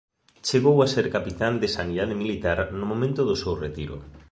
Chegou a ser capitán de Sanidade Militar no momento do seu retiro.